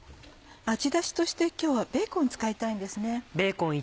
味出しとして今日はベーコンを使いたいんですね。